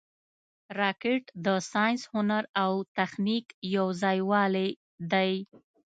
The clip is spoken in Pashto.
راکټ د ساینس، هنر او تخنیک یو ځای والې دی